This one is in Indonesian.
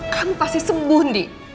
kamu pasti sembuh di